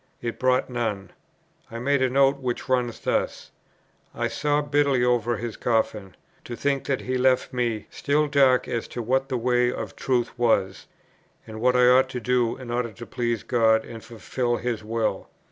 It brought none. I made a note, which runs thus: "I sobbed bitterly over his coffin, to think that he left me still dark as to what the way of truth was, and what I ought to do in order to please God and fulfil His will."